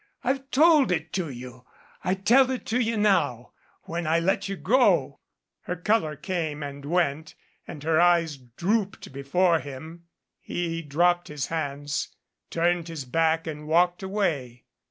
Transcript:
I've told it to you. I tell it to you now when I let you go." Her color came and went and her eyes drooped before him. He dropped his hands, turned his back and walked away.